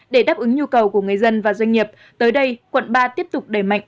để đáp ứng nhu cầu của người dân và doanh nghiệp tới đây quận ba tiếp tục đẩy mạnh